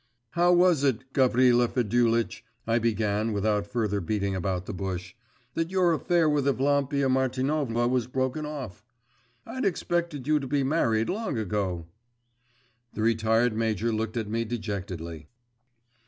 'How was it, Gavrila Fedulitch,' I began without further beating about the bush, 'that your affair with Evlampia Martinovna was broken off? I'd expected you to be married long ago.' The retired major looked at me dejectedly.